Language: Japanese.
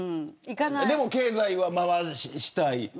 でも経済は回したい。